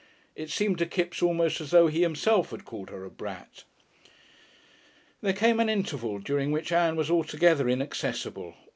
It seemed to Kipps almost as though he himself had called her a brat.... There came an interval during which Ann was altogether inaccessible.